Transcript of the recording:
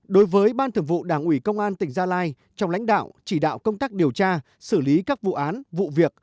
đối với ban thường vụ đảng ủy công an tỉnh gia lai trong lãnh đạo chỉ đạo công tác điều tra xử lý các vụ án vụ việc